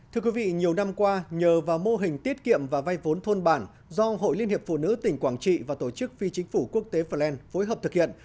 thưa quý vị nhiều năm qua nhờ vào mô hình tiết kiệm và vay vốn thôn bản do hội liên hiệp phụ nữ tỉnh quảng trị và tổ chức phi chính phủ quốc tế flen phối hợp thực hiện